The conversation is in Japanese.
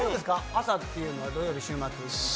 朝っていうのは、土曜日週末。